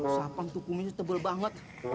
sapang tuh kumisnya tebel banget